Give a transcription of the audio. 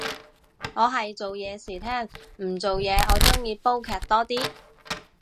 我係做嘢時聽，唔做嘢我鍾意煲劇多啲